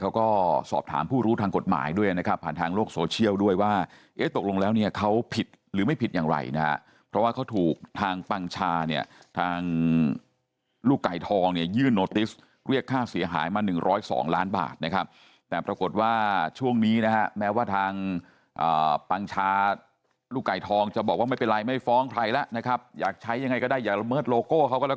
น้ำชาเชียงรายเนี่ยเขาก็สอบถามผู้รู้ทางกฎหมายด้วยนะครับผ่านทางโลกโซเชียลด้วยว่าเอ๊ะตกลงแล้วเนี่ยเขาผิดหรือไม่ผิดอย่างไรนะครับเพราะว่าเขาถูกทางปังชาเนี่ยทางลูกไก่ทองเนี่ยยื่นโนติสเรียกค่าเสียหายมาหนึ่งร้อยสองล้านบาทนะครับแต่ปรากฏว่าช่วงนี้นะฮะแม้ว่าทางอ่าปังชาลูกไก่ทองจะบอก